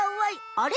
あれ？